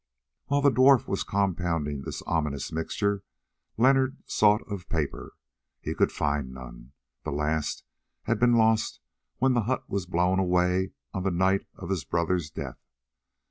While the dwarf was compounding this ominous mixture Leonard sought of paper. He could find none; the last had been lost when the hut was blown away on the night of his brother's death.